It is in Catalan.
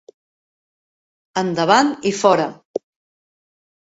Endavant i fora!